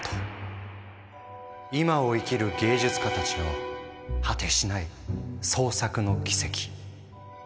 今を生きる芸術家たちの果てしない創作の軌跡。